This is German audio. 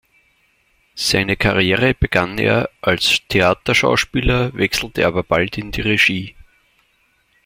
Seine Karriere begann er als Theaterschauspieler, wechselte aber bald in die Regie.